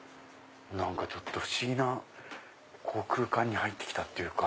何かちょっと不思議な空間に入って来たっていうか。